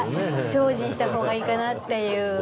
精進した方がいいかなっていう。